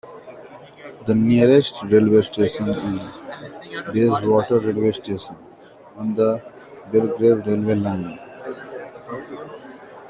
The nearest railway station is Bayswater railway station, on the Belgrave railway line.